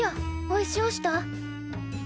おいしおした？